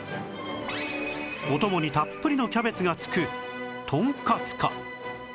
お供にたっぷりのキャベツが付くとんかつか